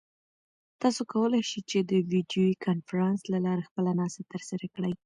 تاسو کولای شئ چې د ویډیویي کنفرانس له لارې خپله ناسته ترسره کړئ.